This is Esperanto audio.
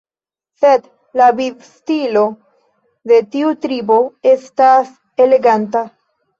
Sed la vivstilo de tiu tribo estas eleganta.